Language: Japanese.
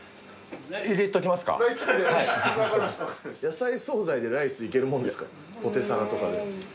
野菜総菜でライスいけるもんですかポテサラとか。